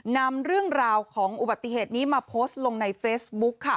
นำเรื่องราวของอุบัติเหตุนี้มาโพสต์ลงในเฟซบุ๊คค่ะ